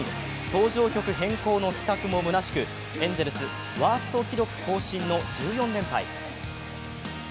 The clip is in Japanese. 登場曲変更の奇策もむなしくエンゼルスワースト記録更新の１４連敗。